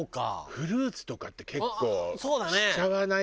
フルーツとかって結構しちゃわない？